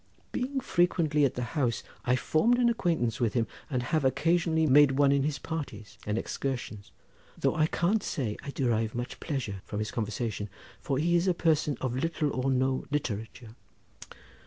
Being frequently at the house I formed an acquaintance with him, and have occasionally made one in his parties and excursions, though I can't say I derive much pleasure from his conversation, for he is a person of little or no literature."